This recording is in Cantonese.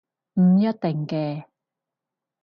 唔一定嘅